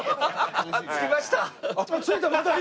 あっ着きました。